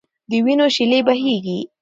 د وینو شېلې بهېږي.